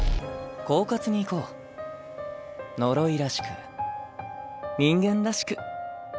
狡猾にいこう呪いらしく人間らしく。